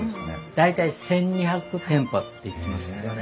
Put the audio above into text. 大体１，２００店舗っていってますけどね。